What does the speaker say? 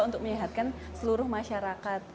untuk meyiharkan seluruh masyarakat